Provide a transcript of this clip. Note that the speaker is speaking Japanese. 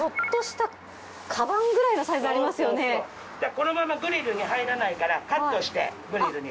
このままグリルに入らないからカットしてグリルに。